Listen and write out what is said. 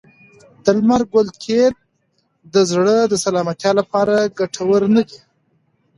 د لمر ګل تېل د زړه د سلامتیا لپاره ګټور نه دي.